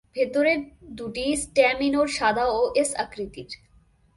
ভেতরের দুটি স্টেমিনোড সাদা ও এস-আকৃতির।